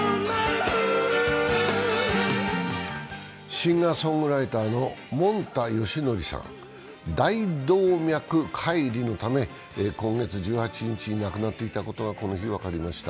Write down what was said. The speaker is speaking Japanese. シンガーソングライターのもんたよしのりさん、大動脈解離のため、今月１８日に亡くなっていたことがこの日分かりました。